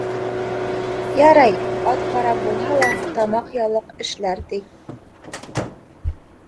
Ярай, ат ҡарап булһа ла тамаҡ яллыҡ эшләр, ти.